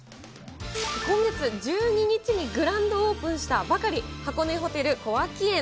今月１２日にグランドオープンしたばかり、箱根ホテル小涌園。